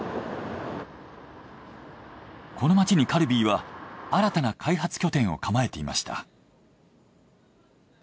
この街にカルビーは新たな開発拠点を構えていました。